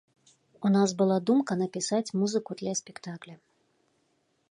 У нас была думка напісаць музыку для спектакля.